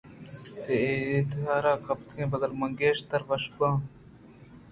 چہ ادادرکپگ ءِبدل ءَ من گیشتر وش باں